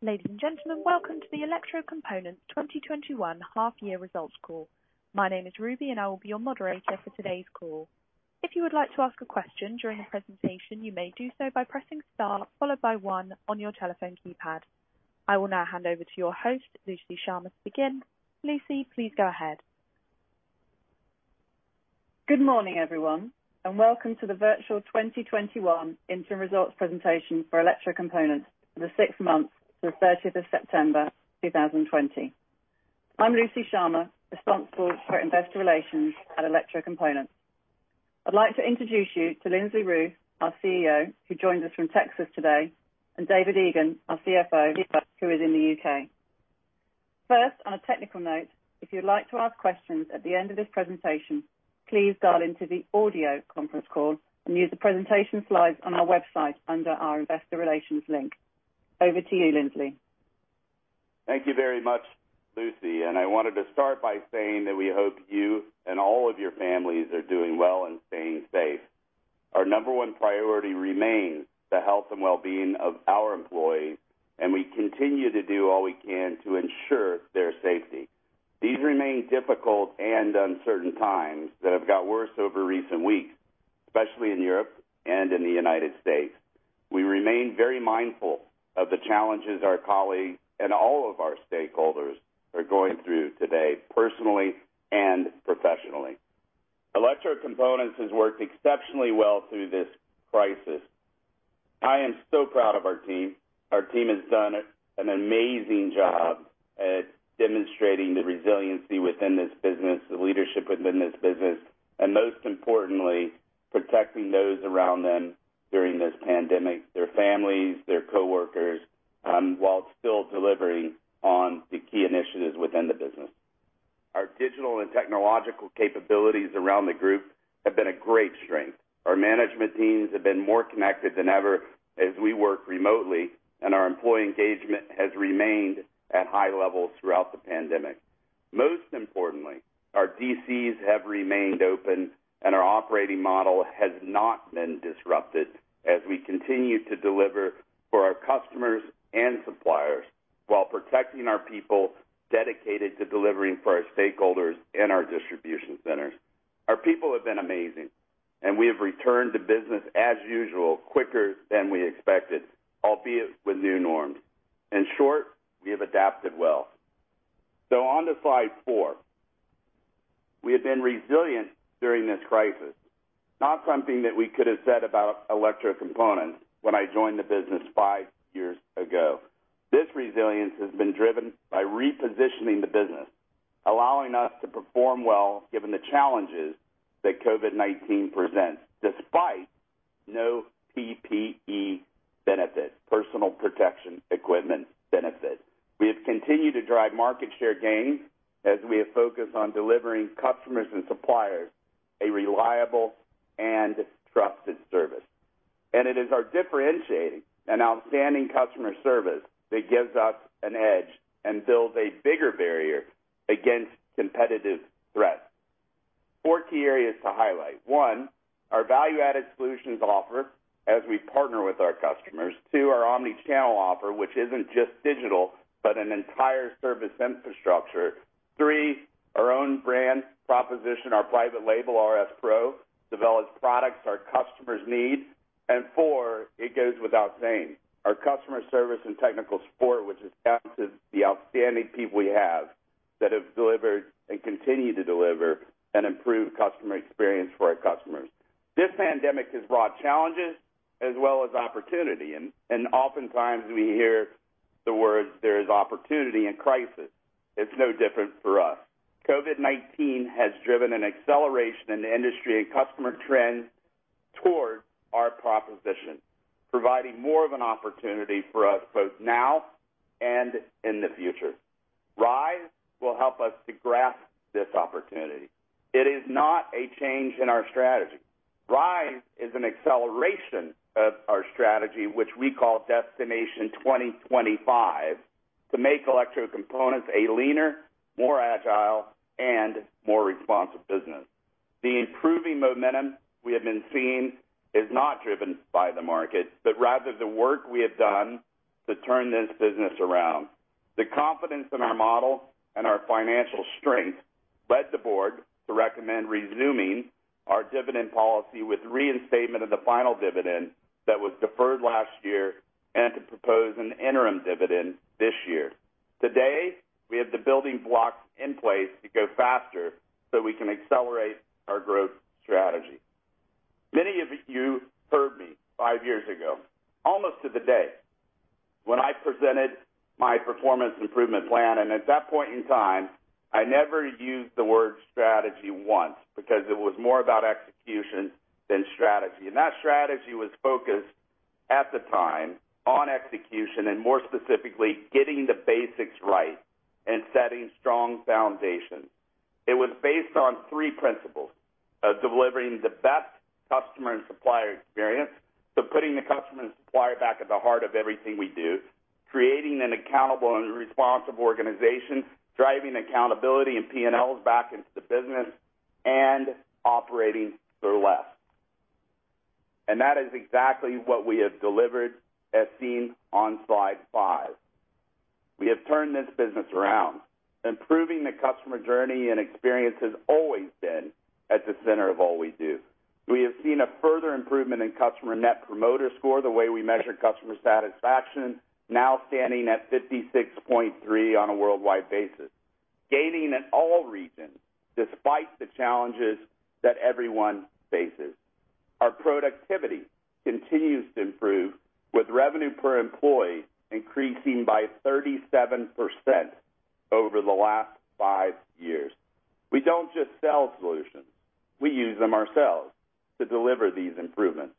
Ladies and gentlemen, welcome to the Electrocomponents 2021 half-year results call. My name is Ruby, and I will be your moderator for today's call. If you would like to ask a question during the presentation, you may do so by pressing star followed by one on your telephone keypad. I will now hand over to your host, Lucy Sharma, to begin. Lucy, please go ahead. Good morning, everyone, and welcome to the virtual 2021 interim results presentation for Electrocomponents for the six months to the 30th of September 2020. I'm Lucy Sharma, responsible for investor relations at Electrocomponents. I'd like to introduce you to Lindsley Ruth, our CEO, who joins us from Texas today, and David Egan, our CFO, who is in the U.K. First, on a technical note, if you'd like to ask questions at the end of this presentation, please dial into the audio conference call and view the presentation slides on our website under our Investor Relations link. Over to you, Lindsley. Thank you very much, Lucy. I wanted to start by saying that we hope you and all of your families are doing well and staying safe. Our number one priority remains the health and wellbeing of our employees, and we continue to do all we can to ensure their safety. These remain difficult and uncertain times that have got worse over recent weeks, especially in Europe and in the U.S. We remain very mindful of the challenges our colleagues and all of our stakeholders are going through today, personally and professionally. Electrocomponents has worked exceptionally well through this crisis. I am so proud of our team. Our team has done an amazing job at demonstrating the resiliency within this business, the leadership within this business, and most importantly, protecting those around them during this pandemic, their families, their coworkers, while still delivering on the key initiatives within the business. Our digital and technological capabilities around the group have been a great strength. Our management teams have been more connected than ever as we work remotely, and our employee engagement has remained at high levels throughout the pandemic. Most importantly, our DCs have remained open, and our operating model has not been disrupted as we continue to deliver for our customers and suppliers while protecting our people dedicated to delivering for our stakeholders in our distribution centers. Our people have been amazing, and we have returned to business as usual quicker than we expected, albeit with new norms. In short, we have adapted well. On to slide four. We have been resilient during this crisis, not something that we could have said about Electrocomponents when I joined the business five years ago. This resilience has been driven by repositioning the business, allowing us to perform well given the challenges that COVID-19 presents, despite no PPE benefit, Personal Protection Equipment benefit. We have continued to drive market share gains as we have focused on delivering customers and suppliers a reliable and trusted service. It is our differentiating and outstanding customer service that gives us an edge and builds a bigger barrier against competitive threats. Four key areas to highlight. One, our value-added solutions offer as we partner with our customers. Two, our omnichannel offer, which isn't just digital, but an entire service infrastructure. Three, our own brand proposition, our private label, RS PRO, develops products our customers need. Four, it goes without saying, our customer service and technical support, which is down to the outstanding people we have that have delivered and continue to deliver an improved customer experience for our customers. This pandemic has brought challenges as well as opportunity, oftentimes we hear the words, "There is opportunity in crisis." It's no different for us. COVID-19 has driven an acceleration in the industry and customer trends towards our proposition, providing more of an opportunity for us both now and in the future. RISE will help us to grasp this opportunity. It is not a change in our strategy. RISE is an acceleration of our strategy, which we call Destination 2025, to make Electrocomponents a leaner, more agile, and more responsive business. The improving momentum we have been seeing is not driven by the market, but rather the work we have done to turn this business around. The confidence in our model and our financial strength led the board to recommend resuming our dividend policy with reinstatement of the final dividend that was deferred last year and to propose an interim dividend this year. Today, we have the building blocks in place to go faster so we can accelerate our growth strategy. Many of you heard me five years ago, almost to the day, when I presented my performance improvement plan, and at that point in time, I never used the word strategy once because it was more about execution than strategy. That strategy was focused, at the time, on execution and more specifically, getting the basics right and setting strong foundations. It was based on three principles. Delivering the best customer and supplier experience, so putting the customer and supplier back at the heart of everything we do. Creating an accountable and responsible organization, driving accountability and P&Ls back into the business. Operating for less. That is exactly what we have delivered as seen on slide five. We have turned this business around. Improving the customer journey and experience has always been at the center of all we do. We have seen a further improvement in customer Net Promoter Score, the way we measure customer satisfaction, now standing at 56.3 on a worldwide basis, gaining in all regions despite the challenges that everyone faces. Our productivity continues to improve, with revenue per employee increasing by 37% over the last five years. We don't just sell solutions, we use them ourselves to deliver these improvements.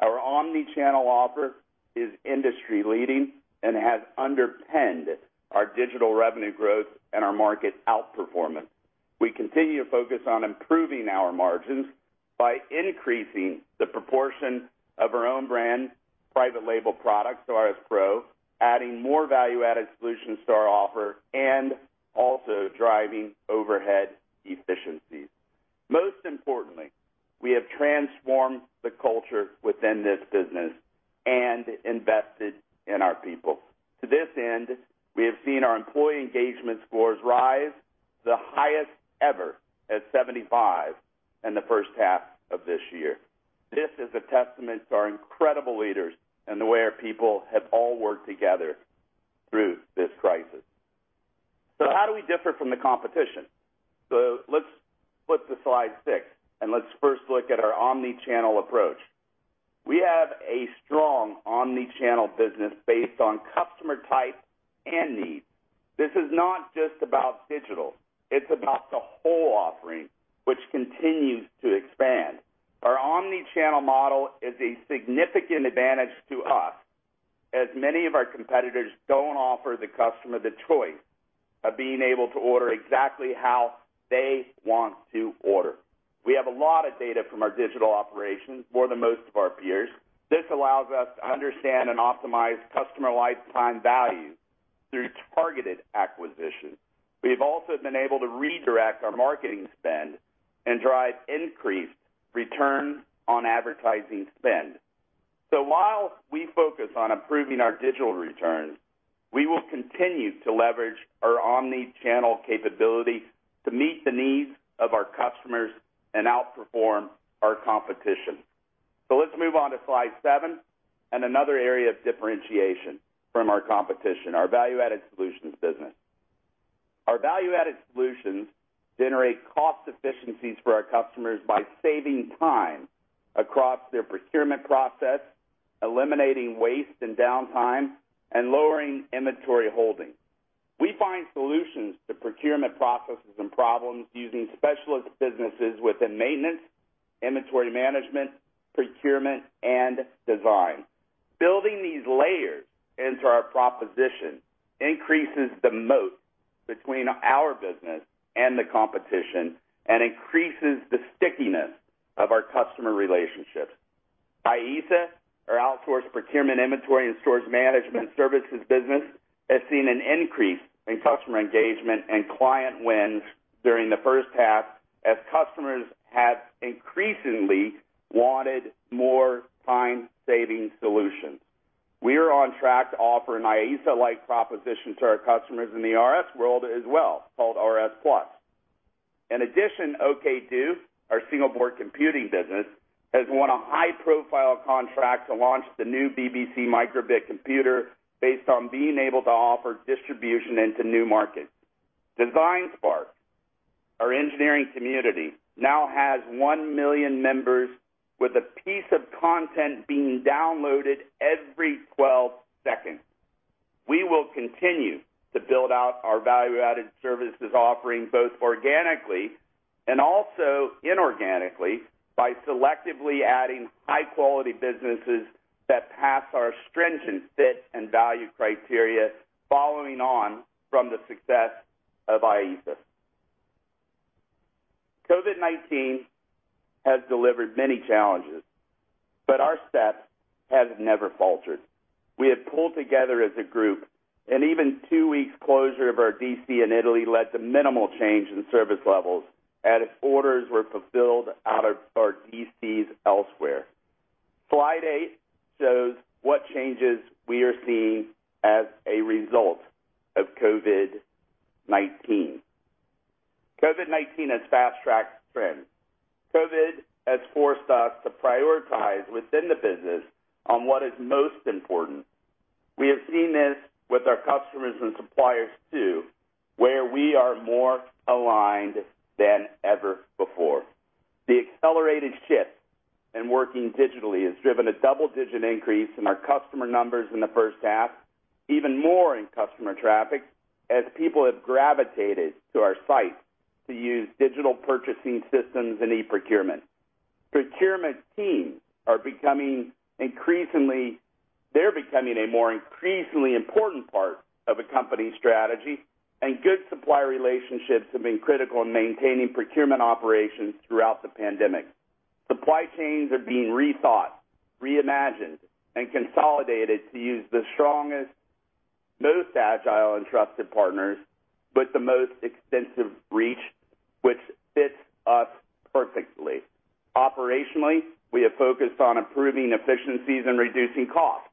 Our omnichannel offer is industry-leading and has underpinned our digital revenue growth and our market outperformance. We continue to focus on improving our margins by increasing the proportion of our own brand private label products, RS PRO, adding more value-added solutions to our offer and also driving overhead efficiencies. We have transformed the culture within this business and invested in our people. To this end, we have seen our employee engagement scores RISE the highest ever at 75 in the first half of this year. This is a testament to our incredible leaders and the way our people have all worked together through this crisis. How do we differ from the competition? Let's flip to slide six and let's first look at our omni-channel approach. We have a strong omni-channel business based on customer type and need. This is not just about digital, it's about the whole offering, which continues to expand. Our omni-channel model is a significant advantage to us as many of our competitors don't offer the customer the choice of being able to order exactly how they want to order. We have a lot of data from our digital operations, more than most of our peers. This allows us to understand and optimize customer lifetime value through targeted acquisition. We've also been able to redirect our marketing spend and drive increased return on advertising spend. While we focus on improving our digital returns, we will continue to leverage our omni-channel capability to meet the needs of our customers and outperform our competition. Let's move on to slide seven and another area of differentiation from our competition, our value-added solutions business. Our value-added solutions generate cost efficiencies for our customers by saving time across their procurement process, eliminating waste and downtime, and lowering inventory holding. We find solutions to procurement processes and problems using specialist businesses within maintenance, inventory management, procurement, and design. Building these layers into our proposition increases the moat between our business and the competition and increases the stickiness of our customer relationships. IESA, our outsourced procurement inventory and storage management services business, has seen an increase in customer engagement and client wins during the first half as customers have increasingly wanted more time-saving solutions. We are on track to offer an IESA-like proposition to our customers in the RS world as well, called RS Plus. OKdo, our single-board computing business, has won a high-profile contract to launch the new BBC micro:bit computer based on being able to offer distribution into new markets. DesignSpark, our engineering community, now has 1 million members with a piece of content being downloaded every 12 seconds. We will continue to build out our value-added services offering both organically and also inorganically by selectively adding high-quality businesses that pass our stringent fit and value criteria following on from the success of IESA. COVID-19 has delivered many challenges, but our step has never faltered. We have pulled together as a group, and even two weeks closure of our DC in Italy led to minimal change in service levels as orders were fulfilled out of our DCs elsewhere. Slide eight shows what changes we are seeing as a result of COVID-19. COVID-19 has fast-tracked trends. COVID has forced us to prioritize within the business on what is most important. We have seen this with our customers and suppliers too, where we are more aligned than ever before. The accelerated shift in working digitally has driven a double-digit increase in our customer numbers in the first half, even more in customer traffic, as people have gravitated to our site to use digital purchasing systems and e-procurement. Procurement teams are becoming a more increasingly important part of a company's strategy. Good supplier relationships have been critical in maintaining procurement operations throughout the pandemic. Supply chains are being rethought, reimagined, and consolidated to use the strongest, most agile and trusted partners with the most extensive reach, which fits us perfectly. Operationally, we have focused on improving efficiencies and reducing costs.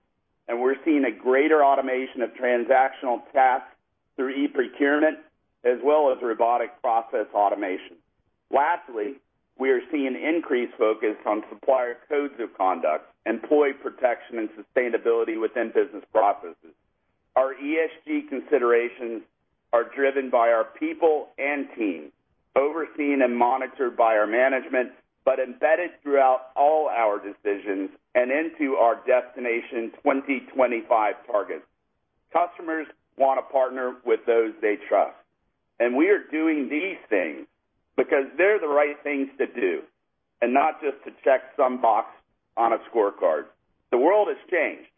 We're seeing a greater automation of transactional tasks through e-procurement as well as robotic process automation. Lastly, we are seeing increased focus on supplier codes of conduct, employee protection, and sustainability within business processes. Our ESG considerations are driven by our people and team, overseen and monitored by our management, but embedded throughout all our decisions and into our Destination 2025 targets. Customers want to partner with those they trust, and we are doing these things because they're the right things to do and not just to check some box on a scorecard. The world has changed,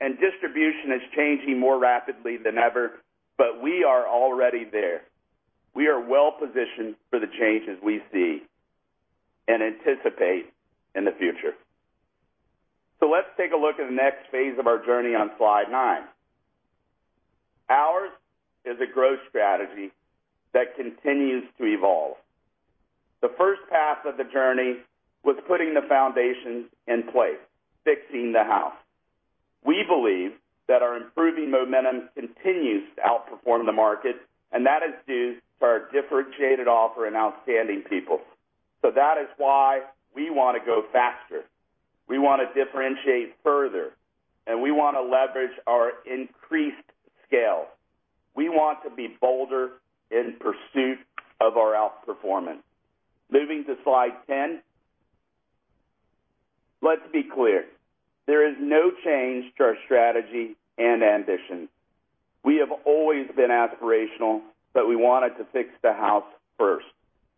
and distribution is changing more rapidly than ever, but we are already there. We are well-positioned for the changes we see and anticipate in the future. Let's take a look at the next phase of our journey on slide nine. Ours is a growth strategy that continues to evolve. The first half of the journey was putting the foundations in place, fixing the house. We believe that our improving momentum continues to outperform the market, and that is due to our differentiated offer and outstanding people. That is why we want to go faster. We want to differentiate further, and we want to leverage our increased scale. We want to be bolder in pursuit of our outperformance. Moving to slide 10. Let's be clear. There is no change to our strategy and ambition. We have always been aspirational, but we wanted to fix the house first.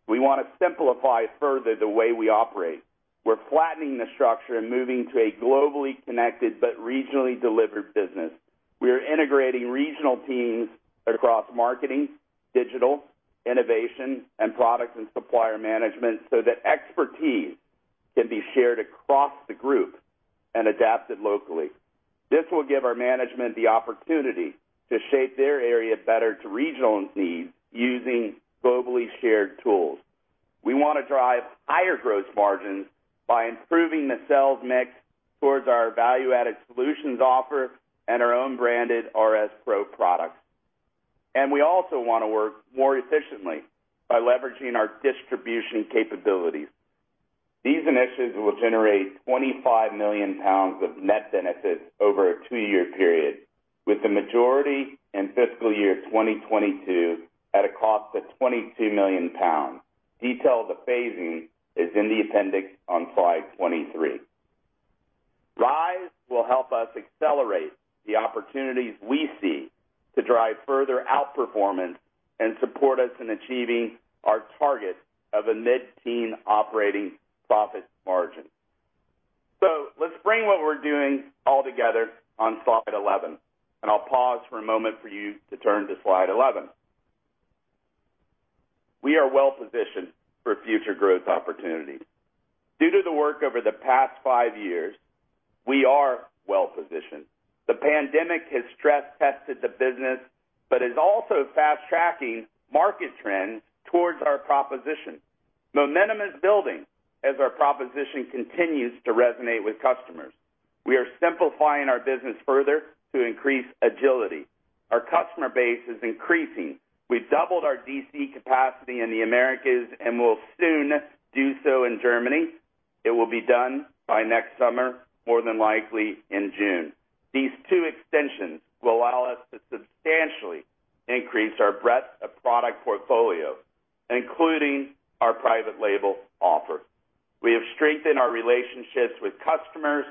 We want to simplify further the way we operate. We're flattening the structure and moving to a globally connected but regionally delivered business. We are integrating regional teams across marketing, digital, innovation, and product and supplier management so that expertise can be shared across the group and adapted locally. This will give our management the opportunity to shape their area better to regional needs using globally shared tools. We want to drive higher gross margins by improving the sales mix towards our value-added solutions offer and our own branded RS PRO products. We also want to work more efficiently by leveraging our distribution capabilities. These initiatives will generate 25 million pounds of net benefits over a two-year period, with the majority in FY 2022 at a cost of 22 million pounds. Detail of the phasing is in the appendix on slide 23. RISE will help us accelerate the opportunities we see to drive further outperformance and support us in achieving our target of a mid-teen operating profit margin. Let's bring what we're doing all together on slide 11, and I'll pause for a moment for you to turn to slide 11. We are well-positioned for future growth opportunities. Due to the work over the past five years, we are well-positioned. The pandemic has stress-tested the business but is also fast-tracking market trends towards our proposition. Momentum is building as our proposition continues to resonate with customers. We are simplifying our business further to increase agility. Our customer base is increasing. We've doubled our DC capacity in the Americas and will soon do so in Germany. It will be done by next summer, more than likely in June. These two extensions will allow us to substantially increase our breadth of product portfolio, including our private label offer. We have strengthened our relationships with customers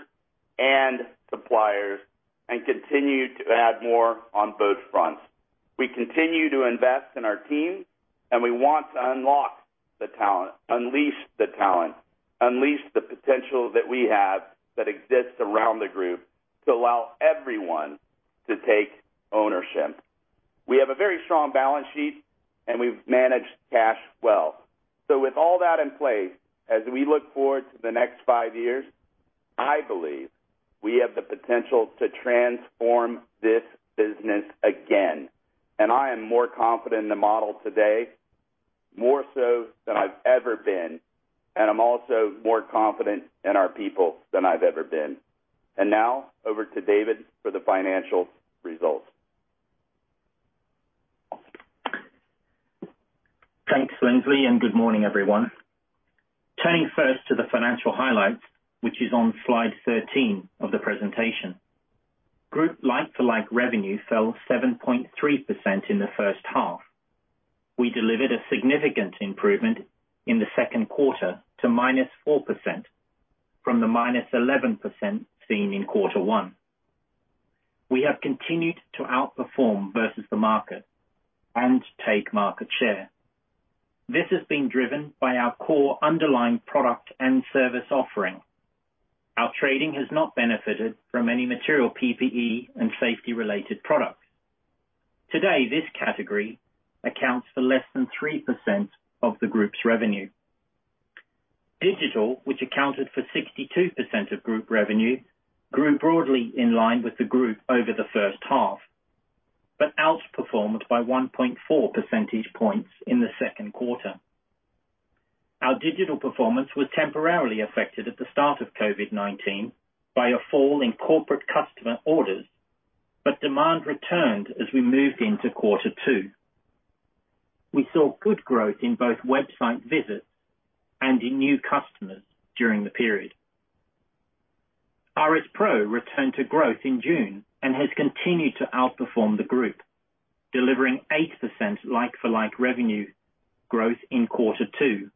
and suppliers and continue to add more on both fronts. We continue to invest in our team, and we want to unlock the talent, unleash the talent, unleash the potential that we have that exists around the group to allow everyone to take ownership. We have a very strong balance sheet, and we've managed cash well. With all that in place, as we look forward to the next five years, I believe we have the potential to transform this business again. I am more confident in the model today, more so than I've ever been, and I'm also more confident in our people than I've ever been. Now over to David for the financial results. Thanks, Lindsley, good morning, everyone. Turning first to the financial highlights, which is on slide 13 of the presentation. Group like-to-like revenue fell 7.3% in the first half. We delivered a significant improvement in the second quarter to -4% from the -11% seen in quarter one. We have continued to outperform versus the market and take market share. This has been driven by our core underlying product and service offering. Our trading has not benefited from any material PPE and safety-related products. Today, this category accounts for less than 3% of the group's revenue. Digital, which accounted for 62% of group revenue, grew broadly in line with the group over the first half, but outperformed by 1.4 percentage points in the second quarter. Our digital performance was temporarily affected at the start of COVID-19 by a fall in corporate customer orders, but demand returned as we moved into quarter two. We saw good growth in both website visits and in new customers during the period. RS PRO returned to growth in June and has continued to outperform the group, delivering 8% like-for-like revenue growth in quarter two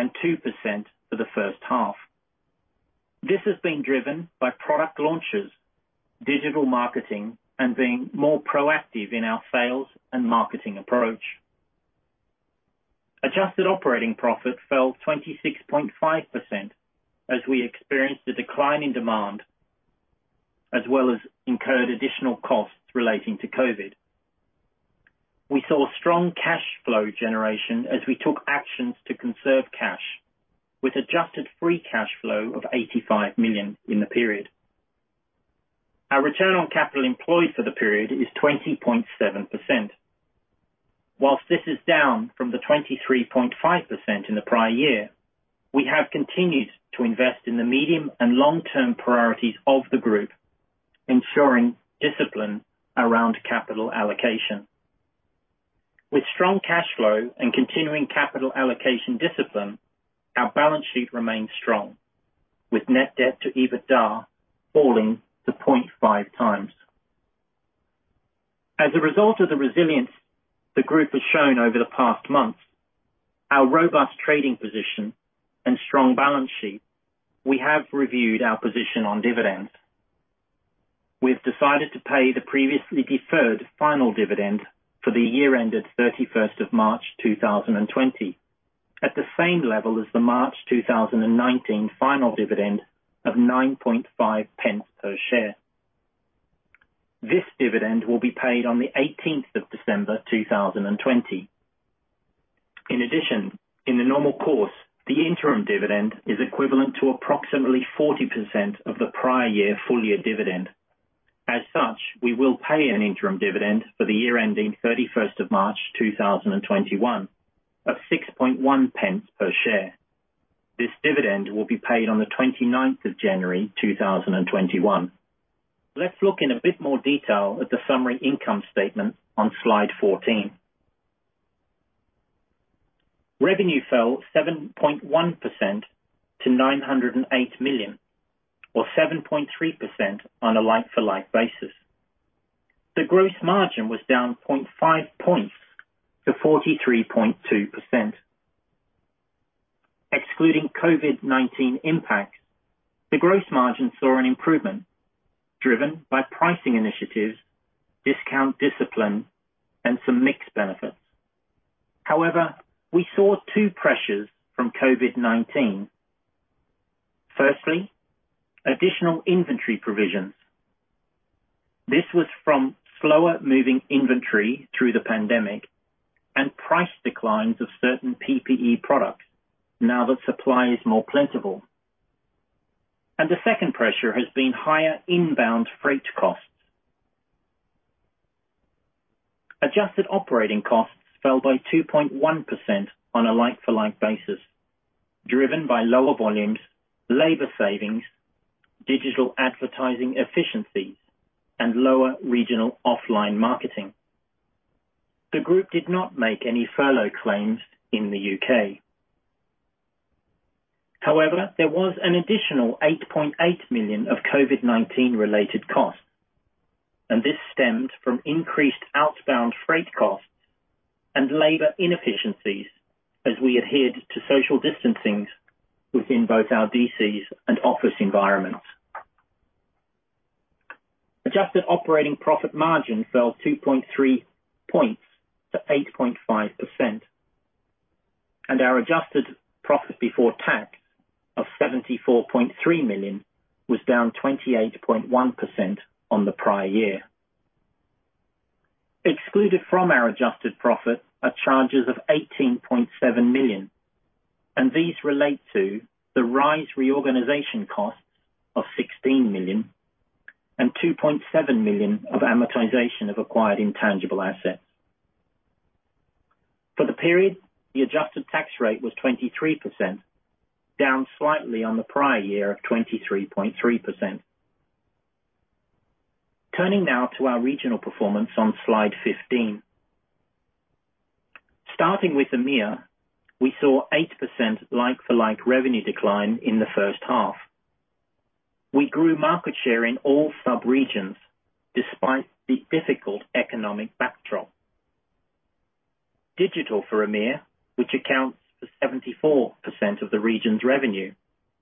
and 2% for the first half. This has been driven by product launches, digital marketing, and being more proactive in our sales and marketing approach. Adjusted operating profit fell 26.5% as we experienced a decline in demand, as well as incurred additional costs relating to COVID. We saw strong cash flow generation as we took actions to conserve cash with adjusted free cash flow of 85 million in the period. Our return on capital employed for the period is 20.7%. Whilst this is down from the 23.5% in the prior year, we have continued to invest in the medium and long-term priorities of the group, ensuring discipline around capital allocation. With strong cash flow and continuing capital allocation discipline, our balance sheet remains strong with net debt-to-EBITDA falling to 0.5x. As a result of the resilience the group has shown over the past months, our robust trading position and strong balance sheet, we have reviewed our position on dividends. We've decided to pay the previously deferred final dividend for the year ended 31st of March 2020 at the same level as the March 2019 final dividend of 0.095 per share. This dividend will be paid on the 18th of December 2020. In addition, in the normal course, the interim dividend is equivalent to approximately 40% of the prior year full-year dividend. As such, we will pay an interim dividend for the year ending 31st of March 2021 of 0.061 per share. This dividend will be paid on the 29th of January 2021. Let's look in a bit more detail at the summary income statement on slide 14. Revenue fell 7.1% to 908 million or 7.3% on a like-for-like basis. The gross margin was down 0.5 points to 43.2%. Excluding COVID-19 impacts, the gross margin saw an improvement driven by pricing initiatives, discount discipline, and some mix benefits. We saw two pressures from COVID-19. Firstly, additional inventory provisions. This was from slower moving inventory through the pandemic and price declines of certain PPE products now that supply is more plentiful. The second pressure has been higher inbound freight costs. Adjusted operating costs fell by 2.1% on a like-for-like basis, driven by lower volumes, labor savings, digital advertising efficiencies, and lower regional offline marketing. The group did not make any furlough claims in the U.K. However, there was an additional 8.8 million of COVID-19 related costs, and this stemmed from increased outbound freight costs and labor inefficiencies as we adhered to social distancing within both our DCs and office environments. Adjusted operating profit margin fell 2.3 points to 8.5%, and our adjusted profit before tax of 74.3 million was down 28.1% on the prior year. Excluded from our adjusted profit are charges of 18.7 million, and these relate to the RISE reorganization costs of 16 million and 2.7 million of amortization of acquired intangible assets. For the period, the adjusted tax rate was 23%, down slightly on the prior year of 23.3%. Turning now to our regional performance on slide 15. Starting with EMEA, we saw 8% like-for-like revenue decline in the first half. We grew market share in all sub-regions despite the difficult economic backdrop. Digital for EMEA, which accounts for 74% of the region's revenue,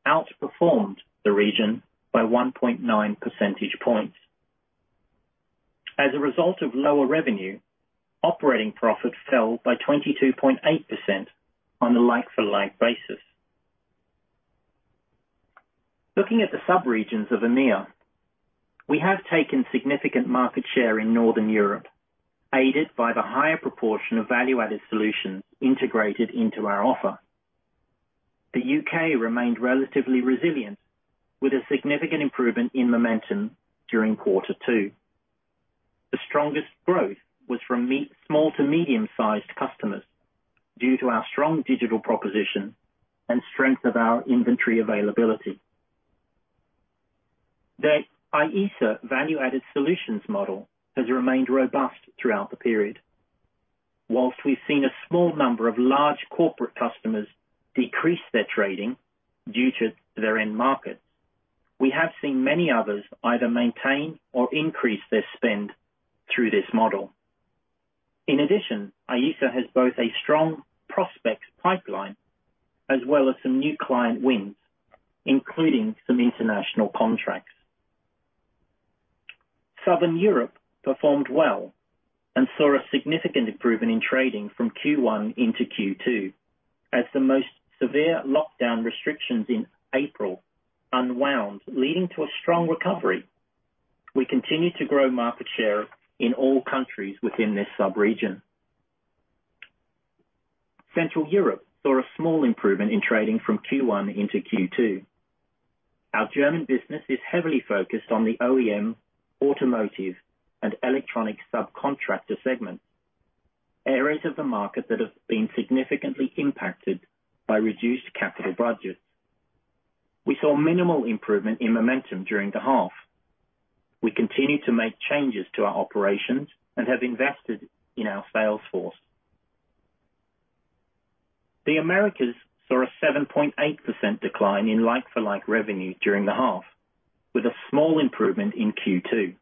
outperformed the region by 1.9 percentage points. As a result of lower revenue, operating profit fell by 22.8% on a like-for-like basis. Looking at the sub-regions of EMEA. We have taken significant market share in Northern Europe, aided by the higher proportion of value-added solutions integrated into our offer. The U.K. remained relatively resilient with a significant improvement in momentum during quarter two. The strongest growth was from small to medium-sized customers, due to our strong digital proposition and strength of our inventory availability. The IESA value-added solutions model has remained robust throughout the period. Whilst we've seen a small number of large corporate customers decrease their trading due to their end markets, we have seen many others either maintain or increase their spend through this model. In addition, IESA has both a strong prospects pipeline as well as some new client wins, including some international contracts. Southern Europe performed well and saw a significant improvement in trading from Q1 into Q2, as the most severe lockdown restrictions in April unwound, leading to a strong recovery. We continue to grow market share in all countries within this sub-region. Central Europe saw a small improvement in trading from Q1 into Q2. Our German business is heavily focused on the OEM, automotive, and electronic subcontractor segment, areas of the market that have been significantly impacted by reduced capital budgets. We saw minimal improvement in momentum during the half. We continue to make changes to our operations and have invested in our sales force. The Americas saw a 7.8% decline in like-for-like revenue during the half, with a small improvement in Q2.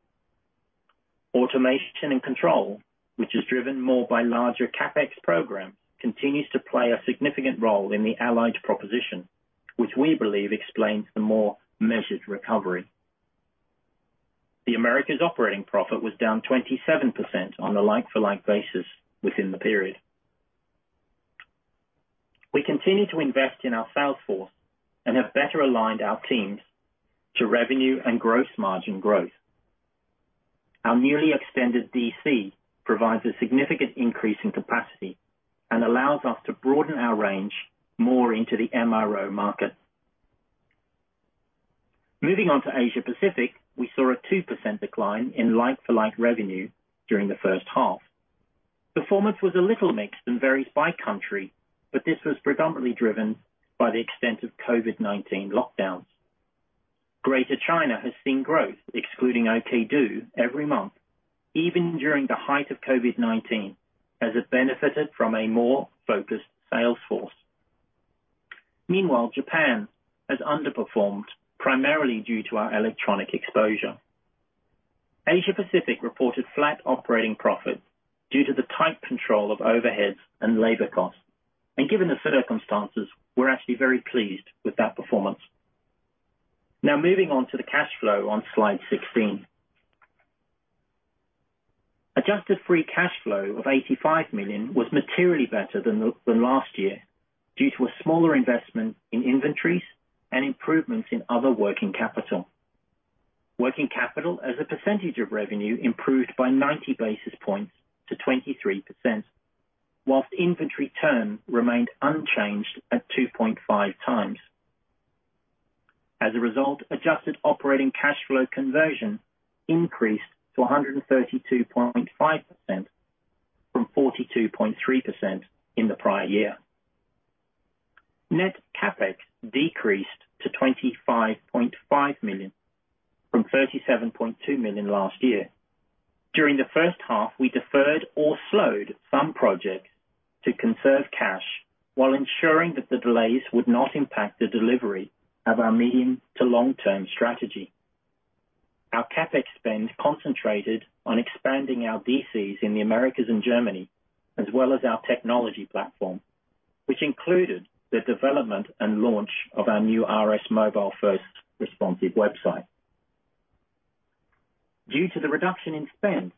Automation and control, which is driven more by larger CapEx programs, continues to play a significant role in the Allied proposition, which we believe explains the more measured recovery. The Americas operating profit was down 27% on a like-for-like basis within the period. We continue to invest in our sales force and have better aligned our teams to revenue and gross margin growth. Our newly extended DC provides a significant increase in capacity and allows us to broaden our range more into the MRO market. Moving on to Asia Pacific, we saw a 2% decline in like-for-like revenue during the first half. Performance was a little mixed and varies by country, but this was predominantly driven by the extent of COVID-19 lockdowns. Greater China has seen growth, excluding OKdo, every month, even during the height of COVID-19, as it benefited from a more focused sales force. Meanwhile, Japan has underperformed, primarily due to our electronic exposure. Asia Pacific reported flat operating profit due to the tight control of overheads and labor costs. Given the circumstances, we're actually very pleased with that performance. Now moving on to the cash flow on slide 16. Adjusted free cash flow of 85 million was materially better than last year due to a smaller investment in inventories and improvements in other working capital. Working capital as a percentage of revenue improved by 90 basis points to 23%, whilst inventory turn remained unchanged at 2.5x. As a result, adjusted operating cash flow conversion increased to 132.5% from 42.3% in the prior year. Net CapEx decreased to 25.5 million from 37.2 million last year. During the first half, we deferred or slowed some projects to conserve cash while ensuring that the delays would not impact the delivery of our medium to long-term strategy. Our CapEx spend concentrated on expanding our DCs in the Americas and Germany, as well as our technology platform, which included the development and launch of our new RS Mobile first responsive website. Due to the reduction in spend,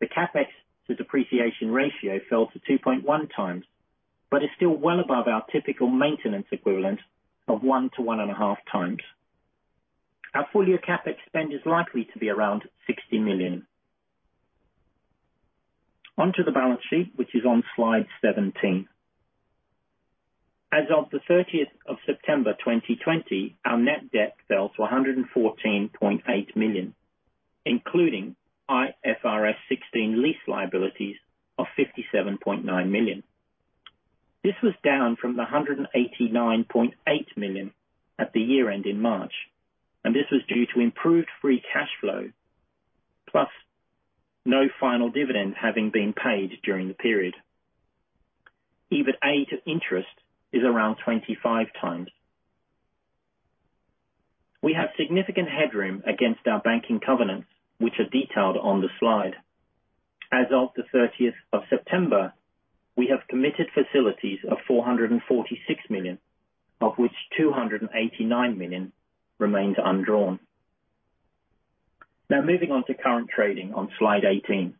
the CapEx to depreciation ratio fell to 2.1x, but is still well above our typical maintenance equivalent of one to 1.5x. Our full-year CapEx spend is likely to be around 60 million. On to the balance sheet, which is on slide 17. As of the 30th of September 2020, our net debt fell to 114.8 million, including IFRS 16 lease liabilities of 57.9 million. This was down from the 189.8 million at the year-end in March, this was due to improved free cash flow, plus no final dividend having been paid during the period. EBITA to interest is around 25x. We have significant headroom against our banking covenants, which are detailed on the slide. As of the 30th of September, we have committed facilities of 446 million, of which 289 million remains undrawn. Now moving on to current trading on slide 18.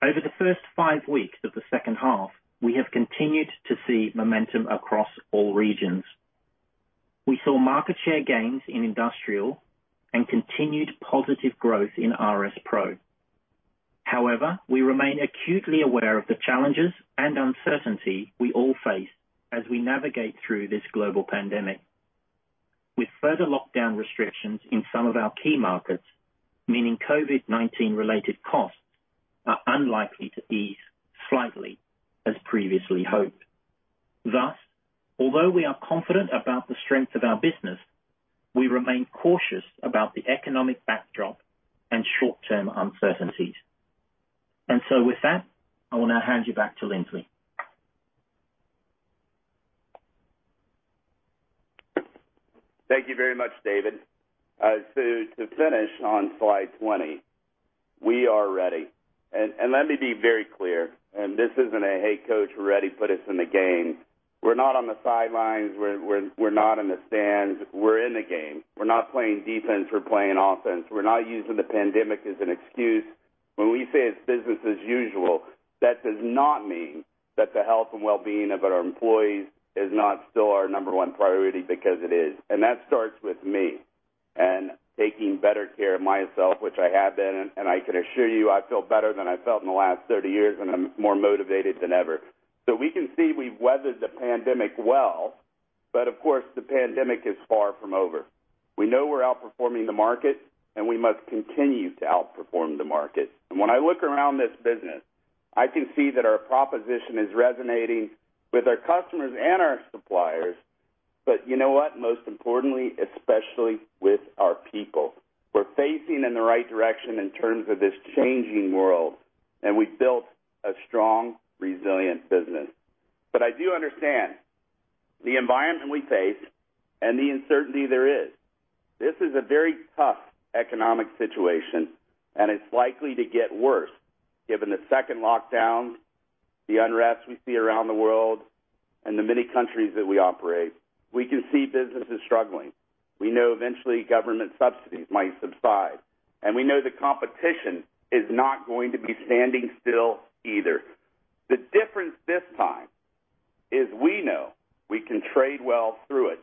Over the first five weeks of the second half, we have continued to see momentum across all regions. We saw market share gains in industrial and continued positive growth in RS PRO. However, we remain acutely aware of the challenges and uncertainty we all face as we navigate through this global pandemic. With further lockdown restrictions in some of our key markets, meaning COVID-19 related costs are unlikely to ease slightly as previously hoped. Although we are confident about the strength of our business, we remain cautious about the economic backdrop and short-term uncertainties. With that, I will now hand you back to Lindsley. Thank you very much, David. To finish on slide 20, we are ready, and let me be very clear, and this isn't a, "Hey, coach, we're ready. Put us in the game." We're not on the sidelines. We're not in the stands. We're in the game. We're not playing defense. We're playing offense. We're not using the pandemic as an excuse. When we say it's business as usual, that does not mean that the health and well-being of our employees is not still our number one priority, because it is. That starts with me, and taking better care of myself, which I have been, and I can assure you, I feel better than I've felt in the last 30 years, and I'm more motivated than ever. We can see we've weathered the pandemic well, but of course, the pandemic is far from over. We know we're outperforming the market, and we must continue to outperform the market. When I look around this business, I can see that our proposition is resonating with our customers and our suppliers. You know what? Most importantly, especially with our people. We're facing in the right direction in terms of this changing world, and we've built a strong, resilient business. I do understand the environment we face and the uncertainty there is. This is a very tough economic situation, and it's likely to get worse given the second lockdown, the unrest we see around the world, and the many countries that we operate. We can see businesses struggling. We know eventually government subsidies might subside, and we know the competition is not going to be standing still either. The difference this time is we know we can trade well through it.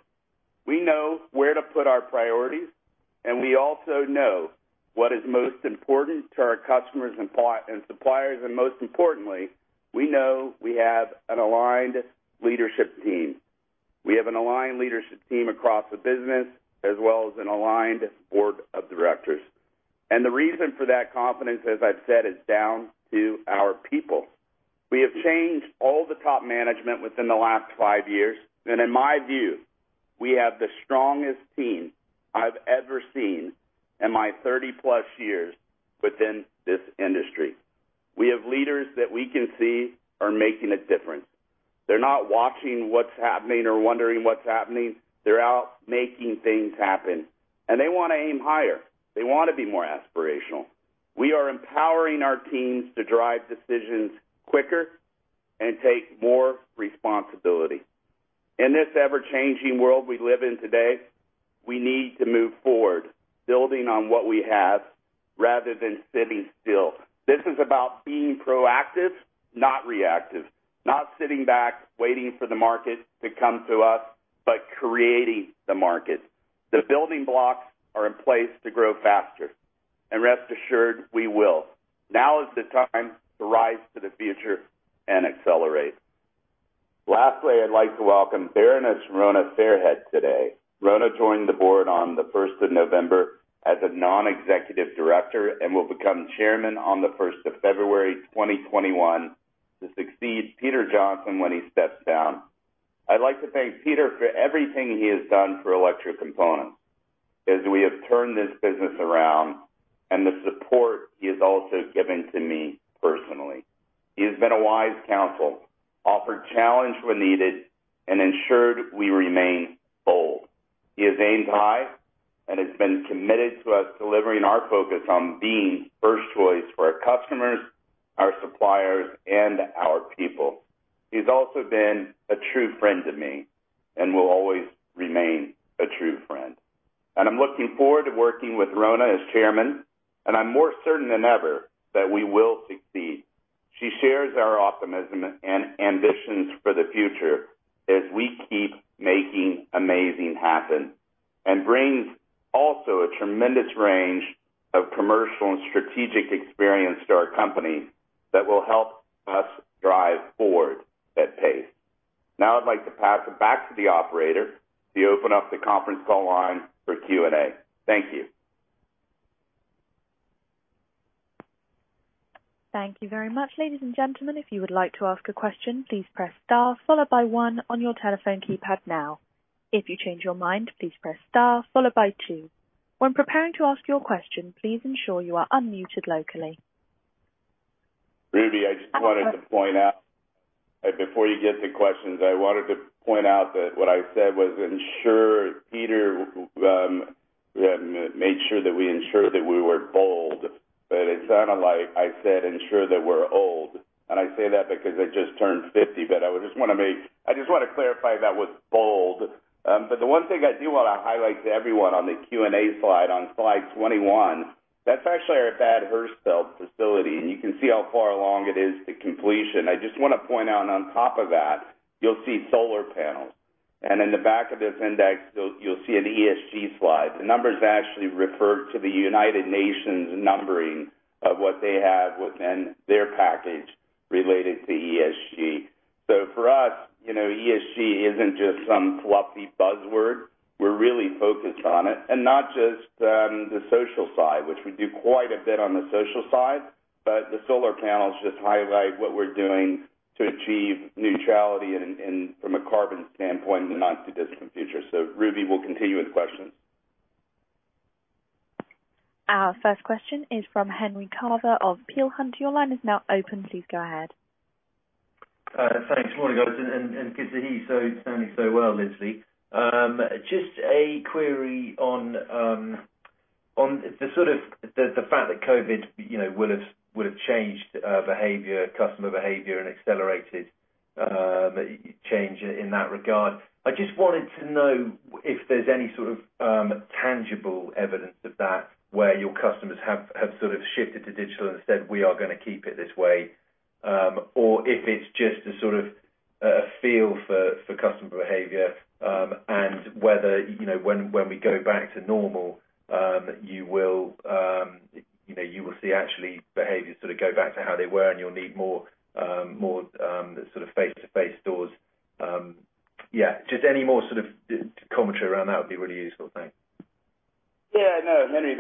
We know where to put our priorities, and we also know what is most important to our customers and suppliers, and most importantly, we know we have an aligned leadership team. We have an aligned leadership team across the business, as well as an aligned board of directors. The reason for that confidence, as I've said, is down to our people. We have changed all the top management within the last five years, and in my view, we have the strongest team I've ever seen in my 30+ years within this industry. We have leaders that we can see are making a difference. They're not watching what's happening or wondering what's happening. They're out making things happen, and they want to aim higher. They want to be more aspirational. We are empowering our teams to drive decisions quicker and take more responsibility. In this ever-changing world we live in today, we need to move forward, building on what we have rather than sitting still. This is about being proactive, not reactive, not sitting back, waiting for the market to come to us, but creating the market. The building blocks are in place to grow faster, and rest assured, we will. Now is the time to rise to the future and accelerate. Lastly, I'd like to welcome Baroness Rona Fairhead today. Rona joined the board on the 1st of November as a non-executive director and will become chairman on the 1st of February 2021 to succeed Peter Johnson when he steps down. I'd like to thank Peter for everything he has done for Electrocomponents as we have turned this business around, and the support he has also given to me personally. He has been a wise counsel, offered challenge when needed, and ensured we remain bold. He has aimed high and has been committed to us delivering our focus on being first choice for our customers, our suppliers, and our people. He's also been a true friend to me and will always remain a true friend. I'm looking forward to working with Rona as chairman, and I'm more certain than ever that we will succeed. She shares our optimism and ambitions for the future as we keep making amazing happen and brings also a tremendous range of commercial and strategic experience to our company that will help us drive forward at pace. Now I'd like to pass it back to the operator to open up the conference call line for Q&A. Thank you. Thank you very much. Ladies and gentlemen, if you would like to ask a question, please press star followed by one on your telephone keypad now. If you change your mind, please press star followed by two. When preparing to ask your question, please ensure you are unmuted locally. Ruby, I just wanted to point out, before you get to questions, I wanted to point out that what I said was ensure Peter, made sure that we ensure that we were bold. It sounded like I said ensure that we're old, and I say that because I just turned 50, but I just want to clarify that was bold. The one thing I do want to highlight to everyone on the Q&A slide, on slide 21, that's actually our Badhoevedorp facility, and you can see how far along it is to completion. I just want to point out, and on top of that, you'll see solar panels. In the back of this index, you'll see an ESG slide. The numbers actually refer to the United Nations numbering of what they have within their package related to ESG. For us, ESG isn't just some fluffy buzzword. We're really focused on it, and not just the social side, which we do quite a bit on the social side, but the solar panels just highlight what we're doing to achieve neutrality from a carbon standpoint in the not-too-distant future. Ruby will continue with the questions. Our first question is from Henry Carver of Peel Hunt. Your line is now open. Please go ahead. Thanks. Morning, guys, and good to hear you sounding so well, Lindsley. Just a query on the fact that COVID would've changed customer behavior and accelerated change in that regard. I just wanted to know if there's any sort of tangible evidence of that, where your customers have sort of shifted to digital and said, "We are going to keep it this way," or if it's just a sort of feel for customer behavior, and whether when we go back to normal, you will see actually behaviors sort of go back to how they were and you'll need more sort of face-to-face stores. Yeah, just any more sort of commentary around that would be really useful. Thanks. Yeah, no, Henry,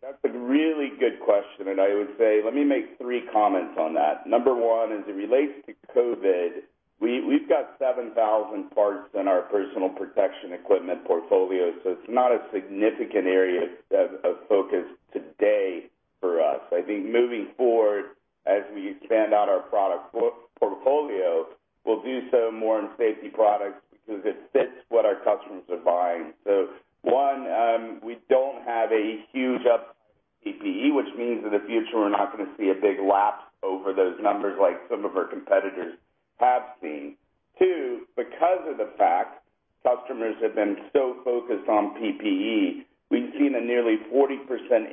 that's a really good question. I would say, let me make three comments on that. Number one, as it relates to COVID, we've got 7,000 parts in our personal protection equipment portfolio. It's not a significant area of focus today for us. I think moving forward, as we expand out our product portfolio, we'll do so more in safety products because it fits what our customers are buying. One, we don't have a huge PPE, which means in the future, we're not going to see a big lapse over those numbers like some of our competitors have seen. Two, because of the fact customers have been so focused on PPE, we've seen a nearly 40%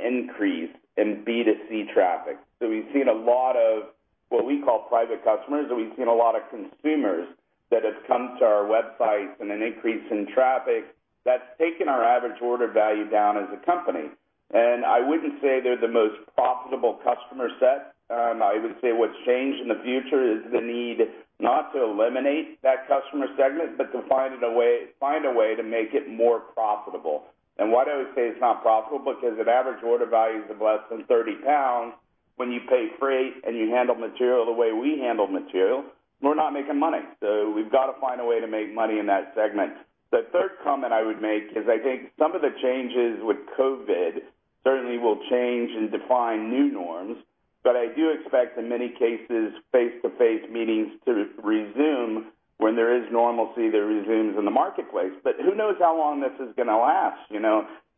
increase in B2C traffic. We've seen a lot of what we call private customers, and we've seen a lot of consumers that have come to our websites and an increase in traffic. That's taken our average order value down as a company. I wouldn't say they're the most profitable customer set. I would say what's changed in the future is the need not to eliminate that customer segment, but to find a way to make it more profitable. Why do I say it's not profitable? Because if average order value is of less than 30 pounds, when you pay freight and you handle material the way we handle material, we're not making money. We've got to find a way to make money in that segment. The third comment I would make is I think some of the changes with COVID certainly will change and define new norms, but I do expect, in many cases, face-to-face meetings to resume when there is normalcy that resumes in the marketplace. Who knows how long this is going to last.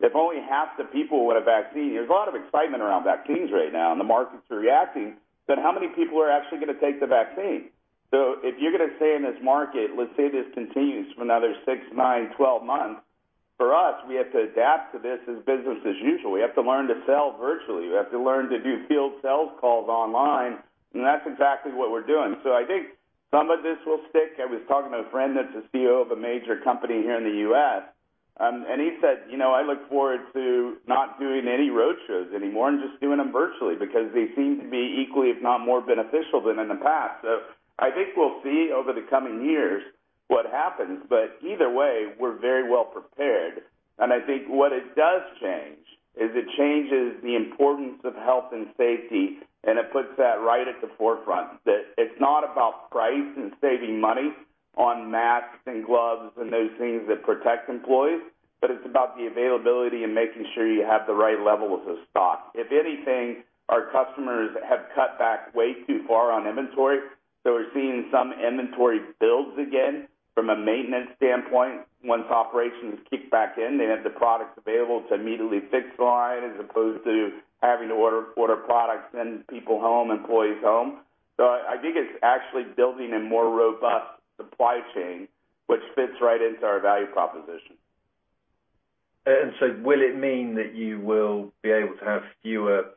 If only half the people want a vaccine, there's a lot of excitement around vaccines right now, and the markets are reacting, but how many people are actually going to take the vaccine? If you're going to say in this market, let's say this continues for another six, nine, 12 months, for us, we have to adapt to this as business as usual. We have to learn to sell virtually. We have to learn to do field sales calls online, and that's exactly what we're doing. I think some of this will stick. I was talking to a friend that's a CEO of a major company here in the U.S. He said, "I look forward to not doing any road shows anymore and just doing them virtually because they seem to be equally, if not more beneficial than in the past." I think we'll see over the coming years what happens. Either way, we're very well prepared. I think what it does change is it changes the importance of health and safety, and it puts that right at the forefront, that it's not about price and saving money on masks and gloves and those things that protect employees, but it's about the availability and making sure you have the right levels of stock. If anything, our customers have cut back way too far on inventory. We're seeing some inventory builds again from a maintenance standpoint. Once operations kick back in, they have the products available to immediately fix line as opposed to having to order products, send people home, employees home. I think it's actually building a more robust supply chain, which fits right into our value proposition. Will it mean that you will be able to have fewer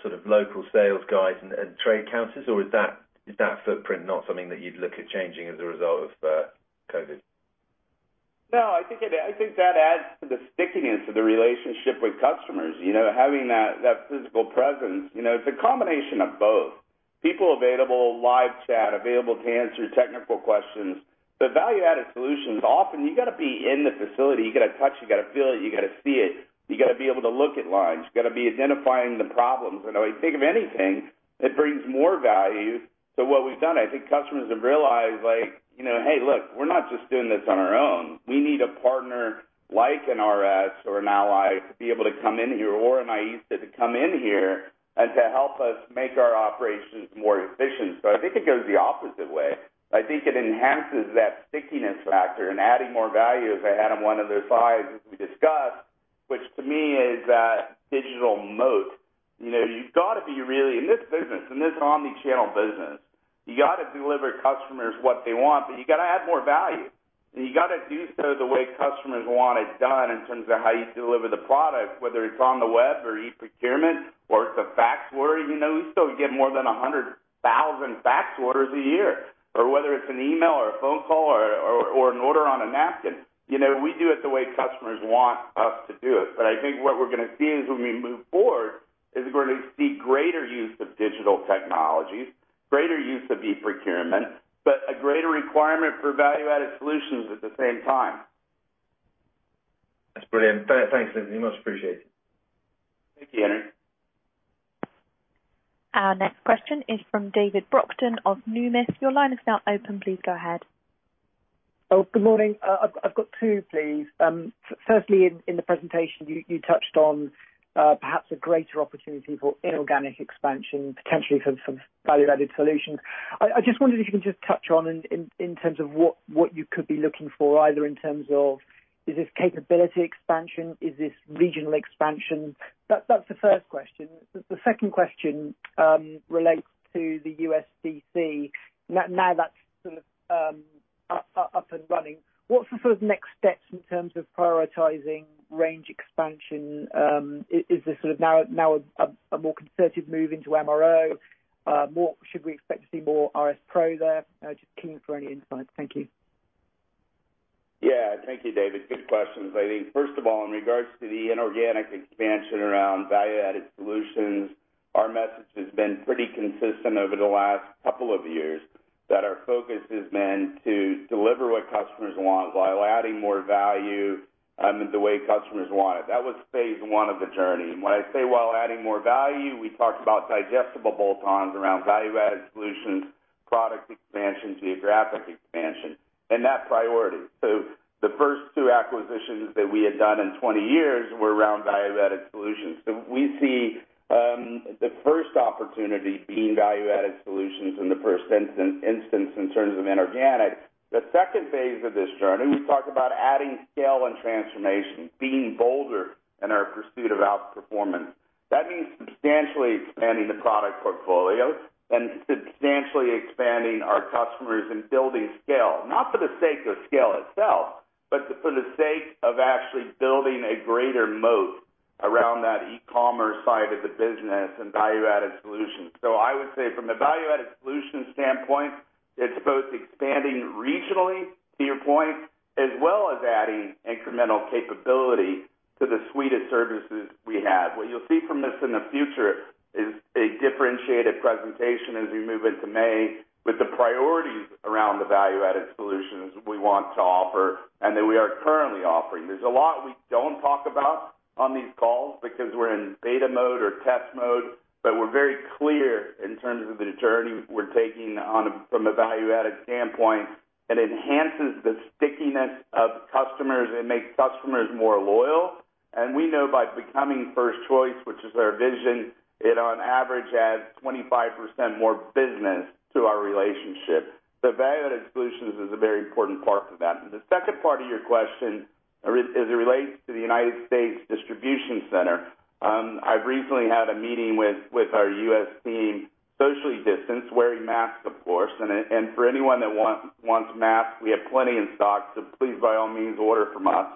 sort of local sales guys and trade counselors, or is that footprint not something that you'd look at changing as a result of COVID? No, I think that adds to the stickiness of the relationship with customers. Having that physical presence, it's a combination of both. People available, live chat available to answer technical questions. Value-added solutions, often you got to be in the facility. You got to touch, you got to feel it, you got to see it. You got to be able to look at lines. You got to be identifying the problems. If you think of anything, it brings more value to what we've done. I think customers have realized, like, "Hey, look, we're not just doing this on our own. We need a partner like an RS or an Allied to be able to come in here, or an IESA to come in here and to help us make our operations more efficient." I think it goes the opposite way. I think it enhances that stickiness factor and adding more value, as I had on one of those slides as we discussed, which to me is that digital moat. You've got to be in this business, in this omni-channel business, you got to deliver customers what they want, but you got to add more value. You got to do so the way customers want it done in terms of how you deliver the product, whether it's on the web or e-procurement, or it's a fax order. We still get more than 100,000 fax orders a year. Whether it's an email or a phone call or an order on a napkin. We do it the way customers want us to do it. I think what we're going to see is when we move forward, is we're going to see greater use of digital technologies, greater use of e-procurement, but a greater requirement for value-added solutions at the same time. That's brilliant. Thanks, Lindsley, much appreciated. Thank you, Henry. Our next question is from David Brockton of Numis. Your line is now open. Please go ahead. Oh, good morning. I've got two, please. Firstly, in the presentation you touched on perhaps a greater opportunity for inorganic expansion, potentially for some value-added solutions. I just wondered if you can just touch on in terms of what you could be looking for, either in terms of is this capability expansion? Is this regional expansion? That's the first question. The second question relates to the U.S. DC Now that's sort of up and running, what's the sort of next steps in terms of prioritizing range expansion? Is this sort of now a more concerted move into MRO? Should we expect to see more RS PRO there? Just keen for any insight. Thank you. Thank you, David. Good questions. I think first of all, in regards to the inorganic expansion around value-added solutions, our message has been pretty consistent over the last couple of years, that our focus has been to deliver what customers want while adding more value, and the way customers want it. That was phase one of the journey. When I say while adding more value, we talked about digestible bolt-ons around value-added solutions, product expansion, geographic expansion, and that priority. The first two acquisitions that we had done in 20 years were around value-added solutions. We see the first opportunity being value-added solutions in the first instance, in terms of inorganic. The second phase of this journey, we talked about adding scale and transformation, being bolder in our pursuit of outperformance. That means substantially expanding the product portfolio and substantially expanding our customers and building scale, not for the sake of scale itself, but for the sake of actually building a greater moat around that e-commerce side of the business and value-added solutions. I would say from a value-added solutions standpoint, it's both expanding regionally, to your point, as well as adding incremental capability to the suite of services we have. What you'll see from this in the future is a differentiated presentation as we move into May with the priorities around the value-added solutions we want to offer and that we are currently offering. There's a lot we don't talk about on these calls because we're in beta mode or test mode, but we're very clear in terms of the journey we're taking from a value-added standpoint. It enhances the stickiness of customers. It makes customers more loyal. We know by becoming first choice, which is our vision, it on average adds 25% more business to our relationship. Value-added solutions is a very important part for that. The second part of your question, as it relates to the U.S. distribution center, I've recently had a meeting with our U.S. team, socially distanced, wearing masks, of course. For anyone that wants masks, we have plenty in stock. Please, by all means, order from us.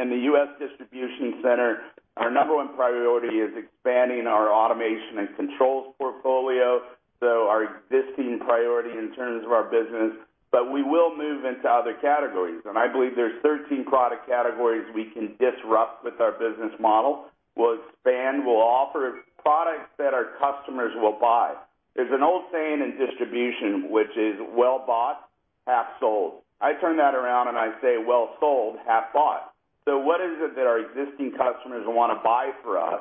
In the U.S. distribution center, our number one priority is expanding our automation and controls portfolio. Our existing priority in terms of our business. We will move into other categories. I believe there's 13 product categories we can disrupt with our business model. We'll expand, we'll offer products that our customers will buy. There's an old saying in distribution, which is, "Well bought, half sold." I turn that around and I say, "Well sold, half bought." What is it that our existing customers want to buy from us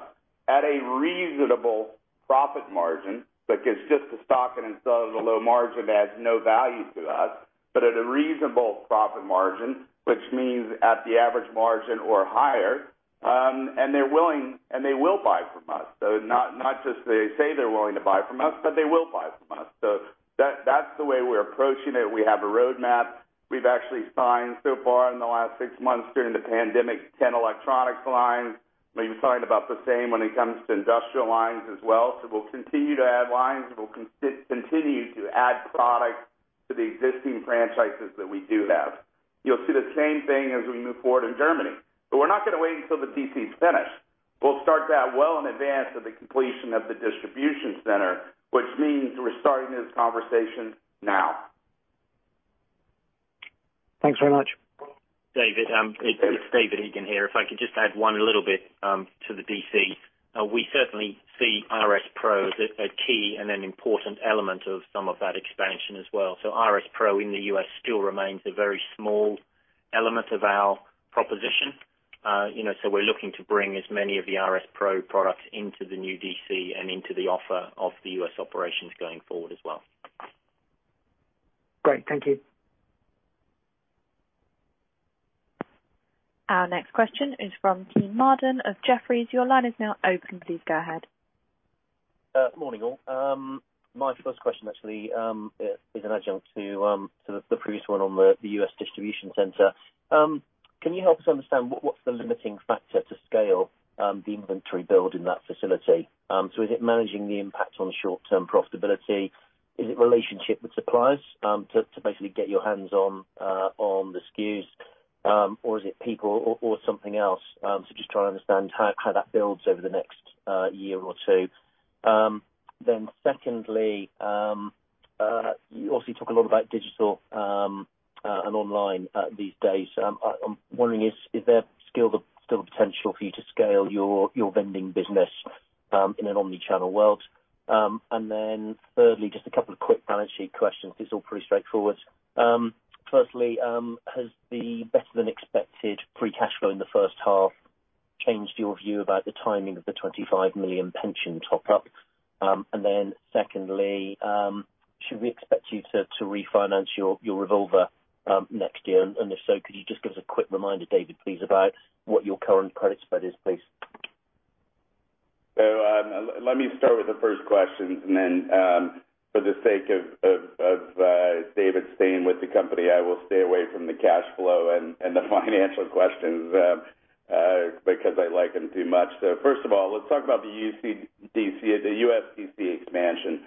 at a reasonable profit margin? Because just to stock it and sell it at a low margin adds no value to us. But at a reasonable profit margin, which means at the average margin or higher, and they're willing and they will buy from us. Not just they say they're willing to buy from us, but they will buy from us. That's the way we're approaching it. We have a roadmap. We've actually signed so far in the last six months during the pandemic, 10 electronics lines. We've signed about the same when it comes to industrial lines as well. We'll continue to add lines, and we'll continue to add product to the existing franchises that we do have. You'll see the same thing as we move forward in Germany. We're not going to wait until the DC is finished. We'll start that well in advance of the completion of the distribution center, which means we're starting this conversation now. Thanks very much. David, it's David Egan here. If I could just add one little bit to the DC. We certainly see RS PRO as a key and an important element of some of that expansion as well. RS PRO in the U.S. still remains a very small element of our proposition. We're looking to bring as many of the RS PRO products into the new DC and into the offer of the U.S. operations going forward as well. Great. Thank you. Our next question is from Kean Marden of Jefferies. Your line is now open. Please go ahead. Good morning, all. My first question actually is an adjunct to the previous one on the U.S. distribution center. Can you help us understand what's the limiting factor to scale the inventory build in that facility? Is it managing the impact on short-term profitability? Is it relationship with suppliers to basically get your hands on the SKUs? Is it people or something else? Just trying to understand how that builds over the next year or two. Secondly, you also talk a lot about digital and online these days. I'm wondering, is there still the potential for you to scale your vending business in an omni-channel world? Thirdly, just a couple of quick balance sheet questions. This is all pretty straightforward. Firstly, has the better-than-expected free cash flow in the first half changed your view about the timing of the 25 million pension top-up? Secondly, should we expect you to refinance your revolver next year? If so, could you just give us a quick reminder, David, please, about what your current credit spread is, please? Let me start with the first question and then for the sake of David staying with the company, I will stay away from the cash flow and the financial questions because I like him too much. First of all, let's talk about the U.S. DC expansion.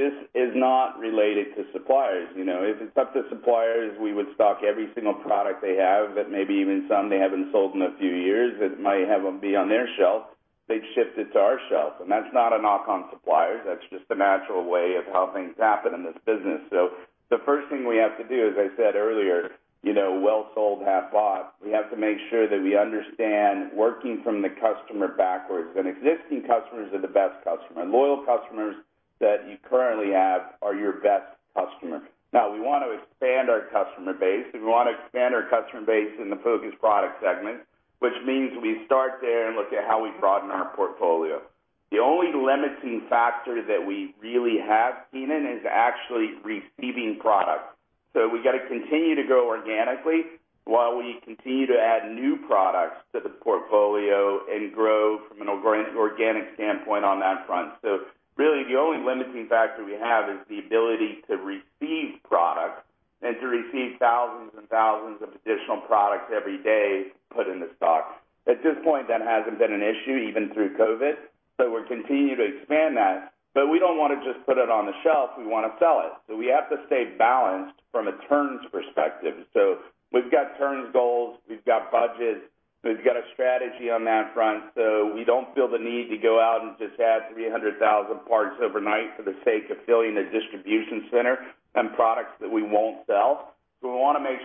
This is not related to suppliers. If it's up to suppliers, we would stock every single product they have, that maybe even some they haven't sold in a few years, that might have them be on their shelf, they'd ship it to our shelf. That's not a knock on suppliers. That's just the natural way of how things happen in this business. The first thing we have to do, as I said earlier, well sold, half bought, we have to make sure that we understand working from the customer backwards, that existing customers are the best customer, and loyal customers that you currently have are your best customer. We want to expand our customer base, and we want to expand our customer base in the focused product segment, which means we start there and look at how we broaden our portfolio. The only limiting factor that we really have seen in is actually receiving product. We got to continue to grow organically while we continue to add new products to the portfolio and grow from an organic standpoint on that front. Really, the only limiting factor we have is the ability to receive product and to receive thousands and thousands of additional products every day put into stock. At this point, that hasn't been an issue, even through COVID. We're continuing to expand that. We don't want to just put it on the shelf, we want to sell it. We have to stay balanced from a turns perspective. We've got turns goals, we've got budgets, we've got a strategy on that front. We don't feel the need to go out and just add 300,000 parts overnight for the sake of filling a distribution center on products that we won't sell. We want to make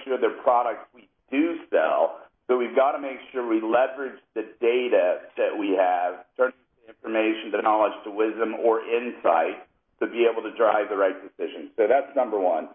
sure they're products we do sell. We've got to make sure we leverage the data that we have, turning information to knowledge to wisdom or insight, to be able to drive the right decisions. That's number one.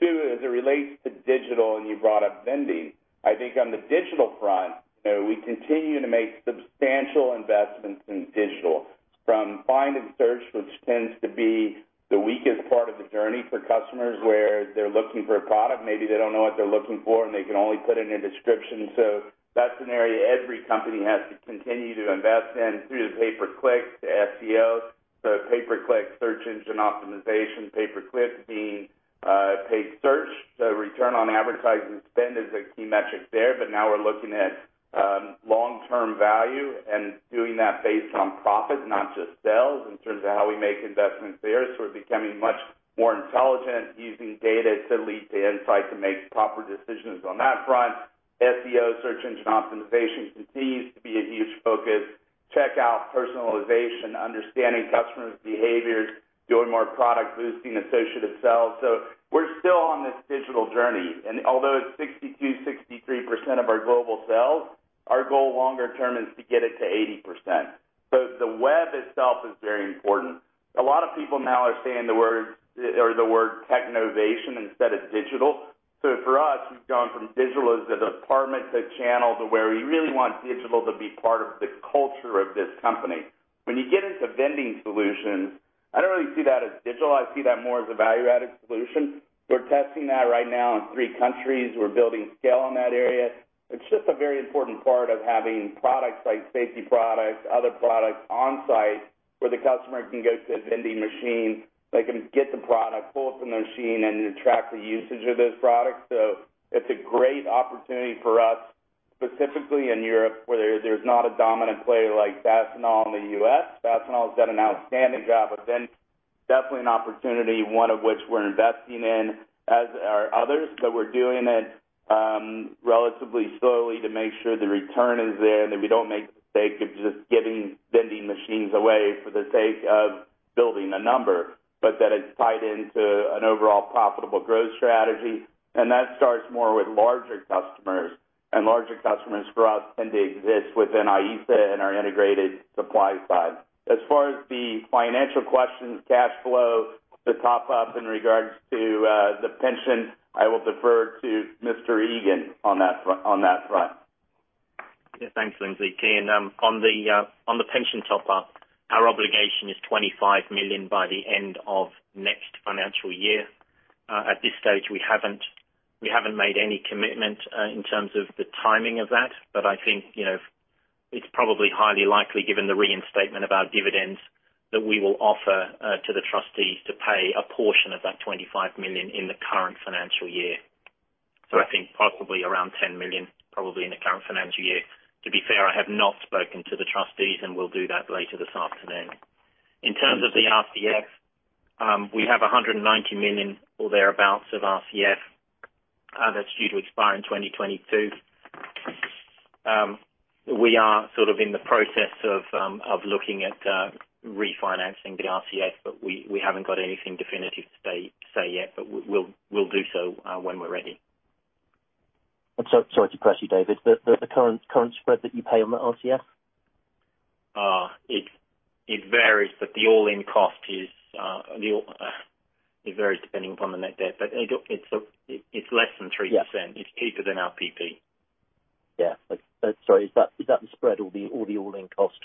Two, as it relates to digital, and you brought up vending. I think on the digital front, we continue to make substantial investments in digital from find and search, which tends to be the weakest part of the journey for customers, where they're looking for a product, maybe they don't know what they're looking for, and they can only put in a description. That's an area every company has to continue to invest in through the pay-per-click, the SEOs. Pay-per-click search engine optimization, pay-per-click being paid search. Return on advertising spend is a key metric there. Now we're looking at long-term value and doing that based on profit, not just sales in terms of how we make investments there. We're becoming much more intelligent using data to lead to insight to make proper decisions on that front. SEO, search engine optimization continues to be a huge focus. Checkout personalization, understanding customers' behaviors, doing more product boosting, associative sell. We're still on this digital journey, and although 62%, 63% of our global sales, our goal longer term is to get it to 80%. The web itself is very important. A lot of people now are saying the word technovation instead of digital. For us, we've gone from digital as a department to channel to where we really want digital to be part of the culture of this company. When you get into vending solutions, I don't really see that as digital. I see that more as a value-added solution. We're testing that right now in three countries. We're building scale in that area. It's just a very important part of having products like safety products, other products on-site where the customer can go to the vending machine, they can get the product, pull it from the machine, and then track the usage of those products. It's a great opportunity for us, specifically in Europe, where there's not a dominant player like Fastenal in the U.S. Fastenal has done an outstanding job, definitely an opportunity, one of which we're investing in, as are others. We're doing it relatively slowly to make sure the return is there and that we don't make the mistake of just giving vending machines away for the sake of building a number, that it's tied into an overall profitable growth strategy. That starts more with larger customers. Larger customers for us tend to exist within IESA and our integrated supply side. As far as the financial questions, cash flow, the top-up in regards to the pension, I will defer to Mr. Egan on that front. Thanks, Lindsley. Kean, on the pension top-up, our obligation is 25 million by the end of next financial year. At this stage, we haven't made any commitment in terms of the timing of that. I think it's probably highly likely, given the reinstatement of our dividends, that we will offer to the trustees to pay a portion of that 25 million in the current financial year. I think possibly around 10 million, probably in the current financial year. To be fair, I have not spoken to the trustees, and will do that later this afternoon. In terms of the RCF, we have 190 million or thereabouts of RCF that's due to expire in 2022. We are sort of in the process of looking at refinancing the RCF, we haven't got anything definitive to say yet. We'll do so when we're ready. Sorry to press you, David, but the current spread that you pay on the RCF? It varies, but the all-in cost varies depending upon the net debt, but it's less than 3%. Yeah. It's cheaper than our PPE. Sorry, is that the spread or the all-in cost?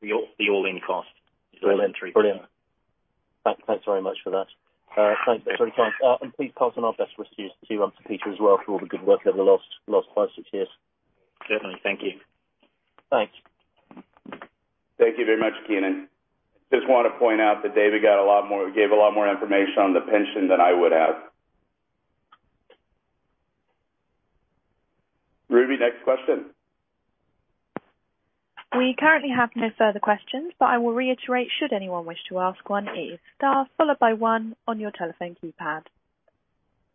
The all-in cost. It's less than 3%. Brilliant. Thanks very much for that. Thanks for the time. Please pass on our best wishes to Peter as well, for all the good work over the last five, six years. Definitely. Thank you. Thanks. Thank you very much, Kean. Just want to point out that David gave a lot more information on the pension than I would have. Ruby, next question. We currently have no further questions, but I will reiterate, should anyone wish to ask one, it is star followed by one on your telephone keypad.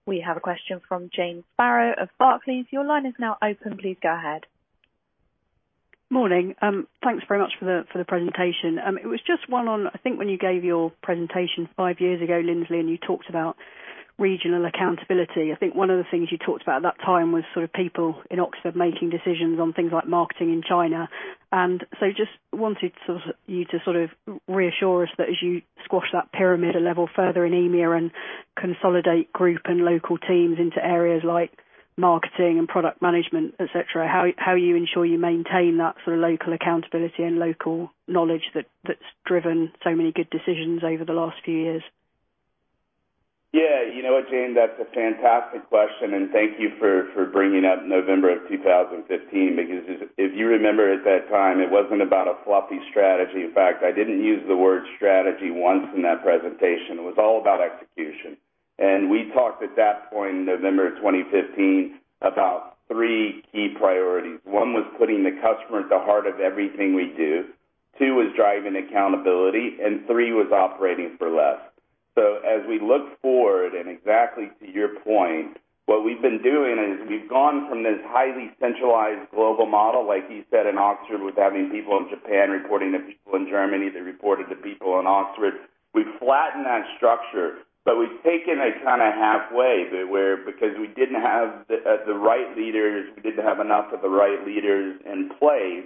We have a question from Jane Sparrow of Barclays. Your line is now open. Please go ahead. Morning. Thanks very much for the presentation. It was just one on, I think when you gave your presentation five years ago, Lindsley, and you talked about regional accountability. I think one of the things you talked about at that time was sort of people in Oxford making decisions on things like marketing in China. Just wanted you to sort of reassure us that as you squash that pyramid a level further in EMEA and consolidate group and local teams into areas like marketing and product management, et cetera, how you ensure you maintain that sort of local accountability and local knowledge that's driven so many good decisions over the last few years? Yeah. You know what, Jane? That's a fantastic question, and thank you for bringing up November of 2015, because if you remember at that time, it wasn't about a fluffy strategy. In fact, I didn't use the word strategy once in that presentation. It was all about execution. We talked at that point in November of 2015 about three key priorities. One was putting the customer at the heart of everything we do. Two was driving accountability, and three was operating for less. As we look forward, and exactly to your point, what we've been doing is we've gone from this highly centralized global model, like you said, in Oxford, with having people in Japan reporting to people in Germany that reported to people in Oxford. We've flattened that structure, but we've taken it kind of halfway. We didn't have the right leaders, we didn't have enough of the right leaders in place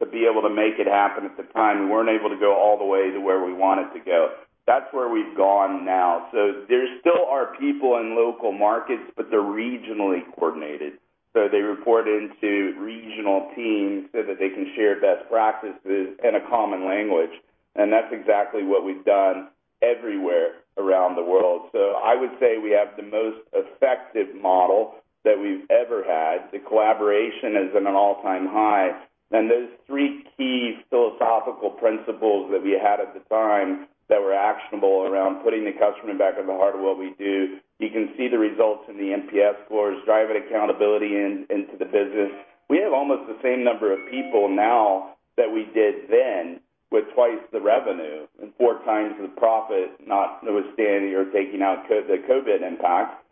to be able to make it happen at the time. We weren't able to go all the way to where we wanted to go. That's where we've gone now. There still are people in local markets, but they're regionally coordinated. They report into regional teams so that they can share best practices in a common language. That's exactly what we've done everywhere around the world. I would say we have the most effective model that we've ever had. The collaboration is in an all-time high. Those three key philosophical principles that we had at the time that were actionable around putting the customer back at the heart of what we do, you can see the results in the NPS scores, driving accountability into the business. We have almost the same number of people now that we did then with twice the revenue and four times the profit, notwithstanding or taking out the COVID impact.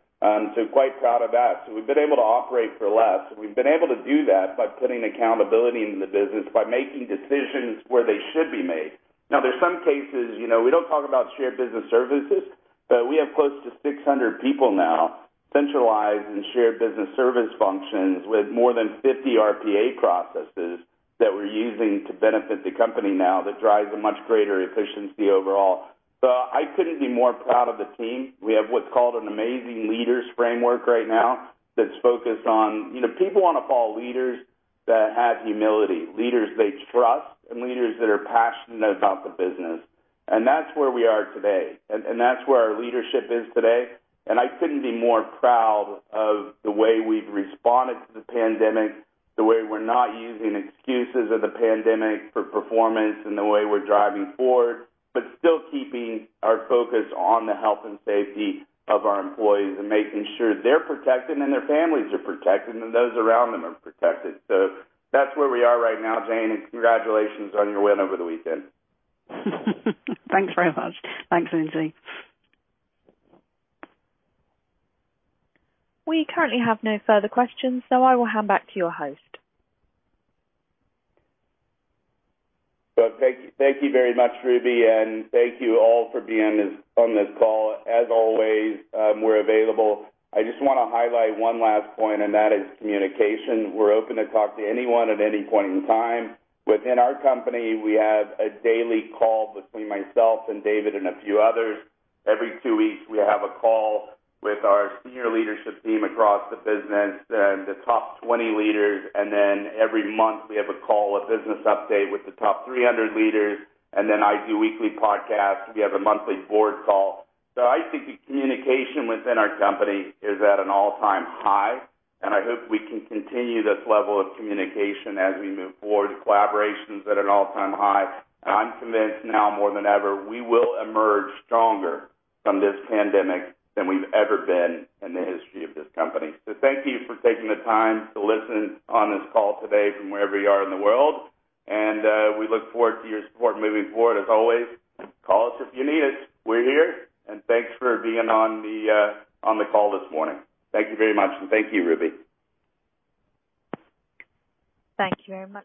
Quite proud of that. We've been able to operate for less, and we've been able to do that by putting accountability in the business, by making decisions where they should be made. There's some cases, we don't talk about shared business services, but we have close to 600 people now centralized in shared business service functions with more than 50 RPA processes that we're using to benefit the company now. That drives a much greater efficiency overall. I couldn't be more proud of the team. We have what's called an amazing leaders framework right now that's focused on People want to follow leaders that have humility, leaders they trust, and leaders that are passionate about the business. That's where we are today. That's where our leadership is today. I couldn't be more proud of the way we've responded to the pandemic, the way we're not using excuses of the pandemic for performance and the way we're driving forward, but still keeping our focus on the health and safety of our employees and making sure they're protected and their families are protected and those around them are protected. That's where we are right now, Jane, and congratulations on your win over the weekend. Thanks very much. Thanks, Lindsley. We currently have no further questions, so I will hand back to your host. Well, thank you very much, Ruby, and thank you all for being on this call. As always, we're available. I just want to highlight one last point, and that is communication. We're open to talk to anyone at any point in time. Within our company, we have a daily call between myself and David and a few others. Every two weeks, we have a call with our senior leadership team across the business and the top 20 leaders, and then every month we have a call, a business update with the top 300 leaders, and then I do weekly podcasts. We have a monthly board call. I think the communication within our company is at an all-time high, and I hope we can continue this level of communication as we move forward. Collaboration's at an all-time high. I'm convinced now more than ever, we will emerge stronger from this pandemic than we've ever been in the history of this company. Thank you for taking the time to listen on this call today from wherever you are in the world. We look forward to your support moving forward. As always, call us if you need us. We're here. Thanks for being on the call this morning. Thank you very much. Thank you, Ruby. Thank you very much.